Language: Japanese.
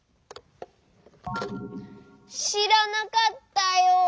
しらなかったよ。